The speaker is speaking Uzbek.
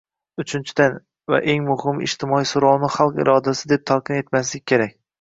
Uchinchidan, va eng muhimi, ijtimoiy so'rovni xalq irodasi deb talqin qilmaslik kerak